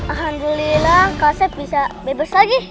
alhamdulillah kak asep bisa bebas lagi